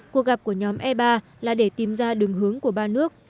cuộc gặp của nhóm e ba là để tìm ra đường hướng của ba nước